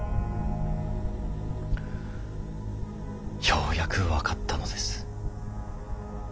ようやく分かったのです。